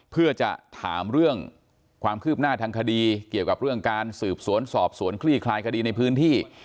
เพื่อจะถามเรื่องความคืบหน้าทางคดีเกี่ยวกับเรื่องการสืบสวนสอบสวนคลี่คลายคดีในพื้นที่